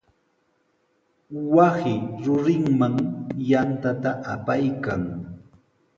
Wasi rurinman yantata apaykan.